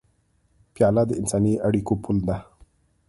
پیاله د انساني اړیکو پُل ده.